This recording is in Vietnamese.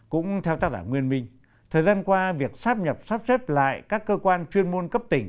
cũng theo tác giả nguyên minh thời gian qua việc sắp nhập sắp xếp lại các cơ quan chuyên môn cấp tỉnh